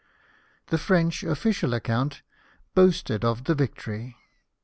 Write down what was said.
The French official account boasted of the victory.